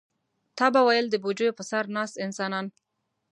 تا به ویل د بوجیو پر سر ناست انسانان.